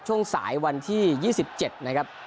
ช่วงสายวันที่๒๗นะครับ